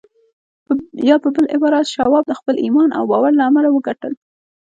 يا په بل عبارت شواب د خپل ايمان او باور له امله وګټل.